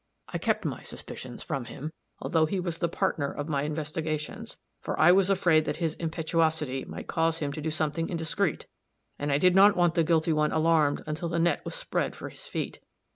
I kept my suspicions from him, although he was the partner of my investigations, for I was afraid that his impetuosity might cause him to do something indiscreet, and I did not want the guilty one alarmed until the net was spread for his feet.